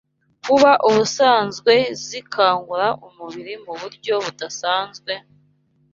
Kuba ubusanzwe zikangura umubiri mu buryo budasanzwe,